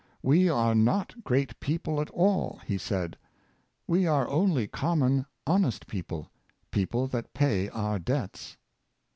"We are not great people at all," he said: " We are only common honest people — people that pay our debts."